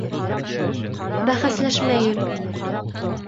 Бәхәсләшмәйем.